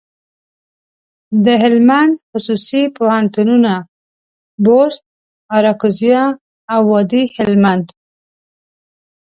دهلمند خصوصي پوهنتونونه، بُست، اراکوزیا او وادي هلمند.